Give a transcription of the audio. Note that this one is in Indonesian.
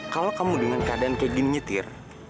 kalau kamu dengan keadaan kayak gini nyetir